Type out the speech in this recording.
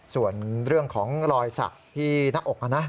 ส่วนเรื่องของรอยสักที่หน้าอกนะ